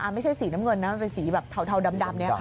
อ๋อไม่ใช่สีน้ำเงินน่ะเป็นสีแบบเทาดำนี่ค่ะ